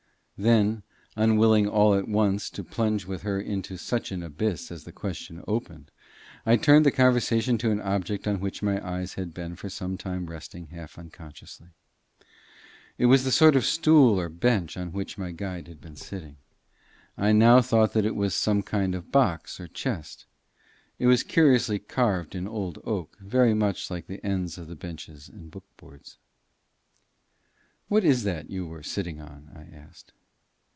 Then, unwilling all at once to plunge with her into such an abyss as the question opened, I turned the conversation to an object on which my eyes had been for some time resting half unconsciously. It was the sort of stool or bench on which my guide had been sitting. I now thought it was some kind of box or chest. It was curiously carved in old oak, very much like the ends of the benches and book boards. "What is that you were sitting on?" I asked.